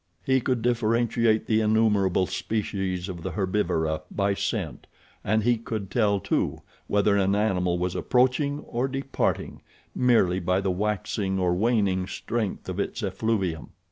He could differentiate the innumerable species of the herbivora by scent, and he could tell, too, whether an animal was approaching or departing merely by the waxing or waning strength of its effluvium.